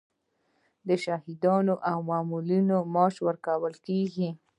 د شهیدانو او معلولینو معاش ورکول کیږي؟